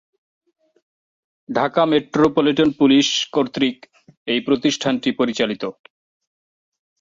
Dhaka metropolitan police কর্তৃক এই প্রতিষ্ঠানটি পরিচালিত।